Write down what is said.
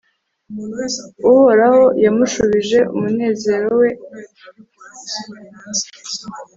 uhoraho yamushubije umunezero we